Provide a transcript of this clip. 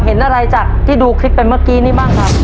เห็นอะไรจากที่ดูคลิปไปเมื่อกี้นี้บ้างครับ